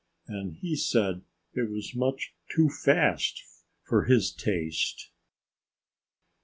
And he said it was much too fast for his taste.